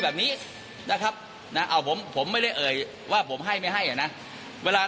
ไม่งั้นแล้วผมก็มั่นใจว่า